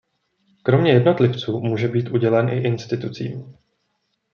Kromě jednotlivců může být udělen i institucím.